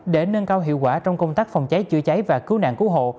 để nâng cao hiệu quả trong công tác phòng cháy chữa cháy và cứu nạn cứu hộ